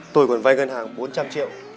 tôi còn vay ngân hàng bốn trăm linh triệu